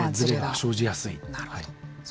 生じやすいと。